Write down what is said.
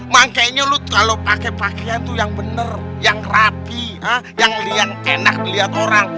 makanya lut kalau pakai pakaian tuh yang bener yang rapi yang enak dilihat orang